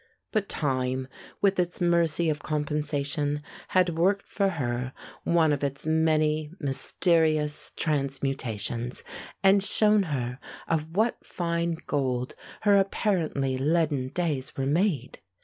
But time, with its mercy of compensation, had worked for her one of its many mysterious transmutations, and shown her of what fine gold her apparently leaden days were made.